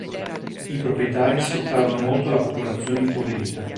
I proprietari sfruttarono molto la popolazione impoverita.